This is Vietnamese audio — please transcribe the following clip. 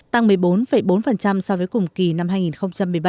tăng một mươi bốn bốn so với cùng kỳ năm hai nghìn một mươi bảy